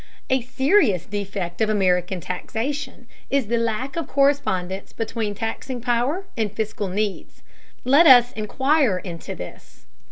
A serious defect of American taxation is the lack of correspondence between taxing power and fiscal needs. Let us inquire into this.